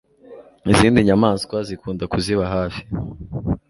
Izindi nyamaswa zikunda kuziba hafi